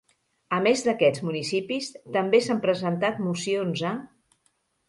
A més d'aquests municipis, també s'han presentat mocions a: